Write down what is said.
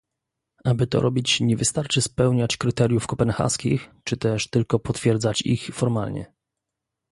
Aby to robić nie wystarczy spełniać kryteriów kopenhaskich czy też tylko potwierdzać ich formalnie